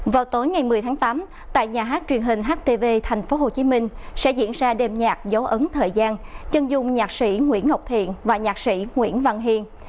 vào tối ngày một mươi tháng tám tại nhà hát truyền hình htv tp hcm sẽ diễn ra đêm nhạc giấu ấn thời gian chân dung nhạc sĩ nguyễn ngọc thiện và nhạc sĩ nguyễn văn hiền